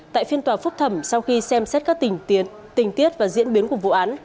tại phiên tòa phúc thẩm sau khi xem xét các tình tiết và diễn biến của vụ án